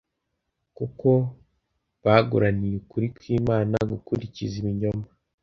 kuko baguraniye ukuri kw’Imana gukurikiza ibinyoma